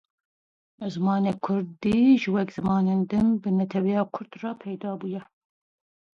Parêzgarê Hatayê rê neda Umît Ozdag ku li ser sînorê Sûriyeyê mayînekê deyne.